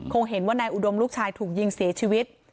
คงเห็นว่านายอุดมลูกชายถูกยิงเสียชีวิต